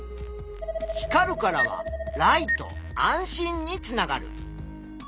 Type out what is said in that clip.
「光る」からは「ライト」「安心」につながる。